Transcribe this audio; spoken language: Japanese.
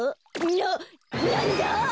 ななんだあ？